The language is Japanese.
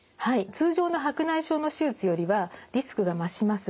通常の白内障の手術よりはリスクが増します。